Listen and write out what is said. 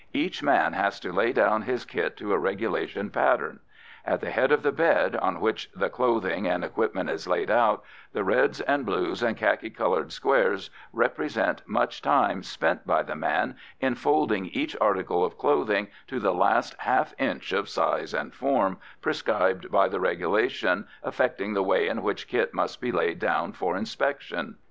Each man has to lay down his kit to a regulation pattern; at the head of the bed, on which the clothing and equipment is laid out, the reds and blues and khaki coloured squares represent much time spent by the man in folding each article of clothing to the last half inch of size and form, prescribed by the regulation affecting the way in which kit must be laid down for inspection.